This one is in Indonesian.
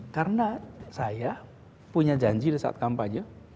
karena saya punya janji di saat kampanye